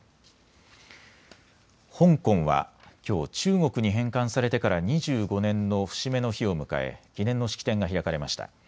香港はきょう、中国に返還されてから２５年の節目の日を迎え記念の式典が開かれました。